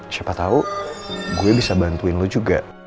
siapa tahu gue bisa bantuin lo juga